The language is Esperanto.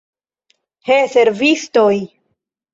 He, servistoj!